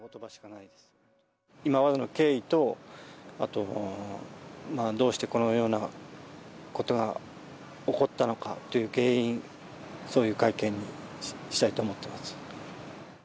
今までの経緯と、あと、どうしてこのようなことが起こったのかという原因、そういう会見にしたいと思っています。